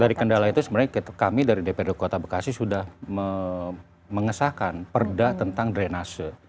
dari kendala itu sebenarnya kami dari dprd kota bekasi sudah mengesahkan perda tentang drenase